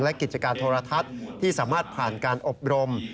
และกิจการโทรทัศน์ที่สามารถผ่านการอบรม